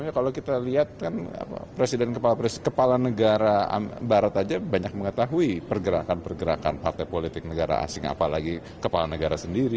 kalau kita lihat kan presiden kepala presiden kepala negara barat aja banyak mengetahui pergerakan pergerakan partai politik negara asing apalagi kepala negara sendiri